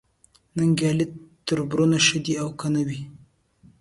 ننګیالي تربرونه ښه دي او که نه وي